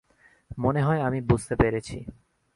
মনে হয় আমি বুঝতে পেরেছি।